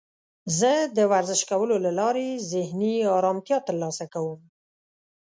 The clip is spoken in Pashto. زه د ورزش کولو له لارې ذهني آرامتیا ترلاسه کوم.